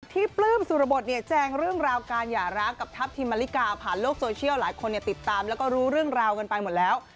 ปลื้มสุรบทเนี่ยแจงเรื่องราวการหย่าร้างกับทัพทิมมะลิกาผ่านโลกโซเชียลหลายคนติดตามแล้วก็รู้เรื่องราวกันไปหมดแล้ว